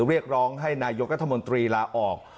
เรียกร้องให้นายโยคะธรรมนตรีละออก